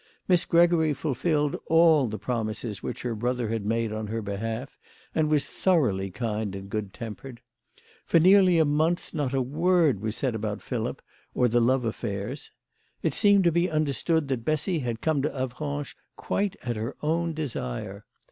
Miss Gregory fulfilled all the promises which her brother had made on her behalf, and was thoroughly kind and good tempered. For nearly a month not a word was said about Philip or the love afiairs. It seemed to be understood that Bessy had come to Avranches quite at her own desire.